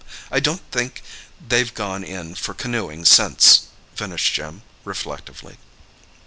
I don't think they've gone in for canoeing since!" finished Jim reflectively.